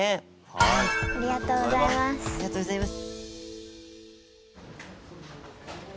ありがとうございます。